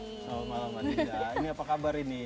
selamat malam mbak niza ini apa kabar ini